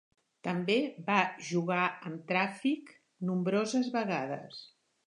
També va jugar amb Traffic nombroses vegades.